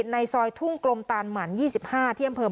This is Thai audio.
ในซอยทุ่งกลมตานหมั่น๒๕เที่ยมเผิม